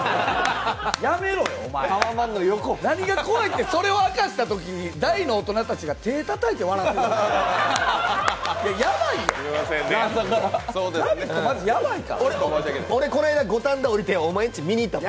何が怖いってそれを明かしたときに大の大人たちが手たたいて笑ってたこと。